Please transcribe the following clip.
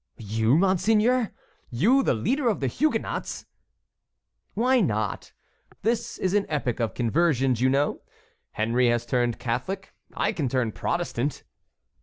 "You, monseigneur! you, the leader of the Huguenots!" "Why not? This is an epoch of conversions, you know. Henry has turned Catholic; I can turn Protestant."